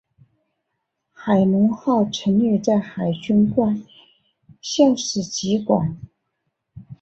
海龙号陈列在海军官校史绩馆。